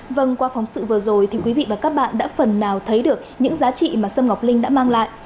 vâng qua phóng sự vừa rồi thì quý vị và các bạn đã phần nào thấy được những giá trị mà sâm ngọc linh đã mang lại